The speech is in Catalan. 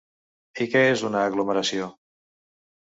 I què és una aglomeració?